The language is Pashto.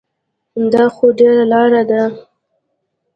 دا خو ډېره لاره ده.